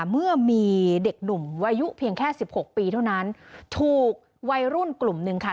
เมื่อมีเด็กหนุ่มอายุเพียงแค่สิบหกปีเท่านั้นถูกวัยรุ่นกลุ่มหนึ่งค่ะ